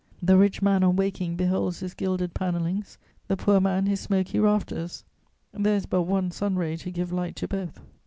The rich man, on waking, beholds his gilded panellings, the poor man his smoky rafters: there is but one sun ray to give light to both.